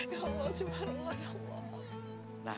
ya allah subhanallah ya allah